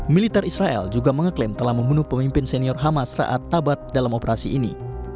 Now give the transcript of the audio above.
militer israel juga mengaklaim telah membunuh pemimpin senior hamas ra at tabat dalam operasi ini